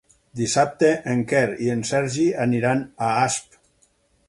Dissabte en Quer i en Sergi aniran a Asp.